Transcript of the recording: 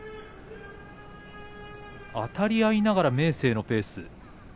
あたり合いながら明生のペース。